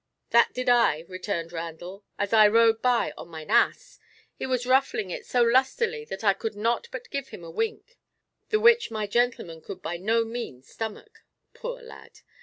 "That did I," returned Randall, "as I rode by on mine ass. He was ruffling it so lustily that I could not but give him a wink, the which my gentleman could by no means stomach! Poor lad!